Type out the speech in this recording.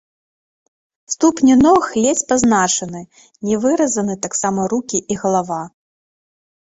Ступні ног ледзь пазначаны, не выразаны таксама рукі і галава.